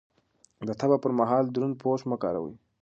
د تبه پر مهال دروند پوښ مه کاروئ.